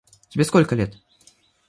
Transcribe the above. Тебе сколько лет?